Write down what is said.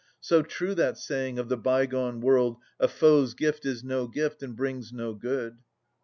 So true that saying of the bygone world, 'A foe's gift is no gift, and brings no good.'